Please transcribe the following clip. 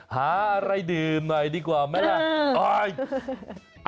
หาอะไรดื่มหน่อยดีกว่านี่แม่ล่ะ